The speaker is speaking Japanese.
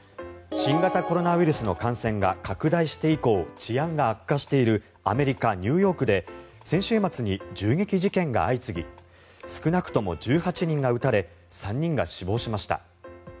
新型コロナウイルスの感染が拡大して以降治安が悪化しているアメリカ・ニューヨークで先週末に銃撃事件が相次ぎ少なくとも１８人が撃たれ３人が死亡しました。